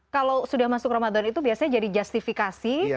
kalau sudah masuk ramadan itu biasanya jadi justifikasi